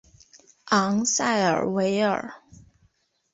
昂塞尔维尔。